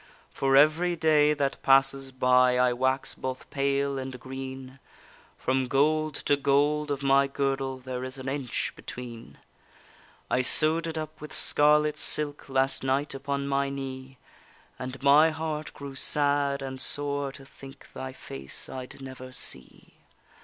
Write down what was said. For every day that passes by I wax both pale and green, From gold to gold of my girdle There is an inch between. I sew'd it up with scarlet silk Last night upon my knee, And my heart grew sad and sore to think Thy face I'd never see.